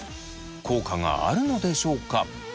効果があるのでしょうか？